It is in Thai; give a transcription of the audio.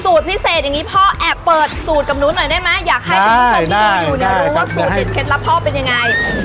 สูตรพิเศษอย่างงี้พ่อแอบเปิดสูตรกับหนูหน่อยได้ไหมอยากให้ทุกคนที่อยู่รู้ว่าสูตรจิตเคล็ดลับพ่อเป็นยังไง